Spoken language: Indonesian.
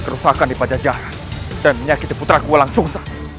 kekuatan suara suling itu